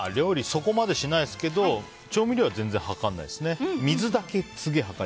そこまでしないですけど調味料は全然量らないですね。